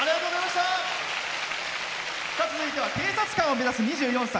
続いては警察官を目指す２４歳。